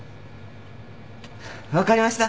分かりました。